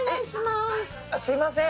すみません。